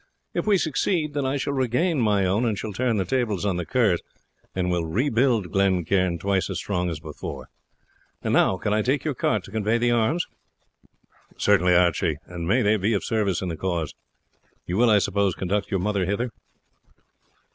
If we succeed, then I shall regain my own, and shall turn the tables on the Kerrs, and will rebuild Glen Cairn twice as strong as before. And now can I take a cart to convey the arms?" "Certainly, Archie; and may they be of service in the cause. You will, I suppose, conduct your mother hither?"